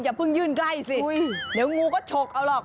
เพิ่งยื่นใกล้สิเดี๋ยวงูก็ฉกเอาหรอก